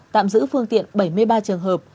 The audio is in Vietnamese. tạm giữ phương tiện bảy mươi ba trường hợp